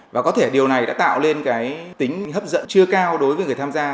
và có thể điều này đã tạo lên cái tính hấp dẫn chưa cao đối với người tham gia